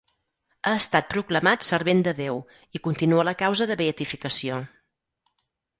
Ha estat proclamat Servent de Déu i continua la causa de beatificació.